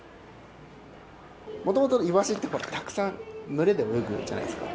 もともとイワシって、たくさん群れで泳ぐじゃないですか。